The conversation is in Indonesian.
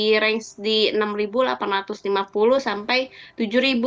di range di enam delapan ratus lima puluh sampai rp tujuh